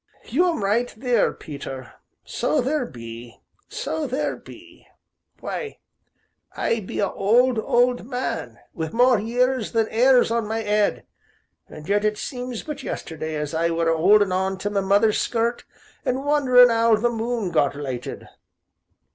"You 'm right theer, Peter, so theer be so theer be why, I be a old, old man, wi' more years than 'airs on my 'ead, an' yet it seems but yesterday as I were a holdin' on to my mother's skirt, an' wonderin' 'ow the moon got lighted.